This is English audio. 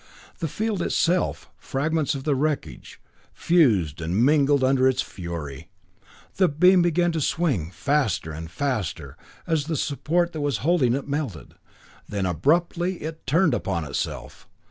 The field itself, fragments of the wreckage, fused and mingled under its fury. The beam began to swing, faster and faster, as the support that was holding it melted; then abruptly it turned upon itself.